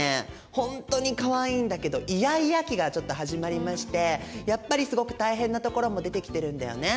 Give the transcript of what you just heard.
ほんとにかわいいんだけどイヤイヤ期がちょっと始まりましてやっぱりすごく大変なところも出てきてるんだよね。